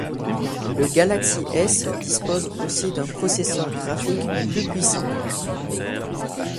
Le Galaxy S dispose aussi d'un processeur graphique plus puissant.